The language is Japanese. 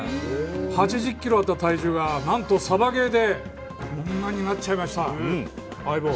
８０キロあった体重が何とサバゲーでこんなになっちゃいました。